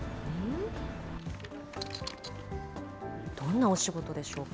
どんなお仕事でしょうか。